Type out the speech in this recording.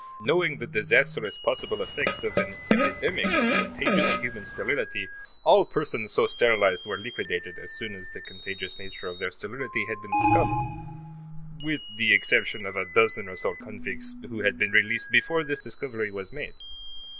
Knowing the disastrous possible effects of an epidemic of contagious human sterility, all persons so sterilized were liquidated as soon as the contagious nature of their sterility had been discovered, with the exception of a dozen or so convicts, who had been released before this discovery was made.